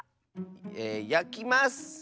えやきます！